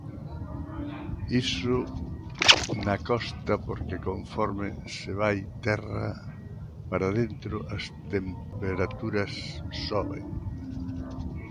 Iso na costa, porque conforme se vai terra para dentro as temperaturas soben.